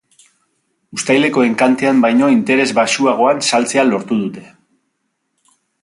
Uztaileko enkantean baino interes baxuagoan saltzea lortu dute.